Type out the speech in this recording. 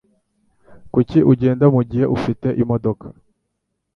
Kuki ugenda mugihe ufite imodoka?